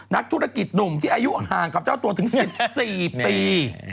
นักธุรกิจหนุ่มที่อายุห่างกับเจ้าตัวถึง๑๔ปี